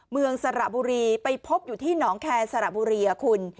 สระบุรีไปพบอยู่ที่หนองแคร์สระบุรีคุณ